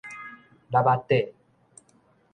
塌仔底